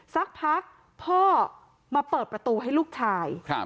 สักพักพ่อมาเปิดประตูให้ลูกชาย